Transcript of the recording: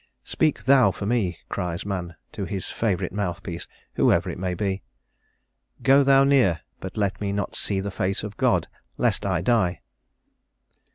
"Speak thou for me," cries man to his favourite mouthpiece, whoever it may be; "go thou near, but let me not see the face of God, lest I die."